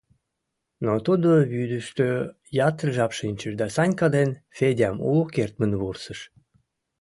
Но тудо вӱдыштӧ ятыр жап шинчыш да Санька ден Федям уло кертмын вурсыш.